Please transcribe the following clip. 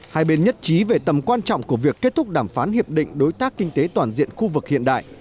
hai bên nhất trí về tầm quan trọng của việc kết thúc đàm phán hiệp định đối tác kinh tế toàn diện khu vực hiện đại